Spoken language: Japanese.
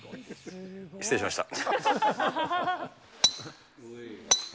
失礼しました。